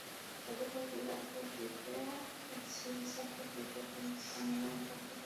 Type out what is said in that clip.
গতকাল বেলা একটার দিকে ছাত্র-শিক্ষক কেন্দ্রের সম্মেলনকক্ষে সংবাদ সম্মেলন করে গণতান্ত্রিক শিক্ষক ফোরাম।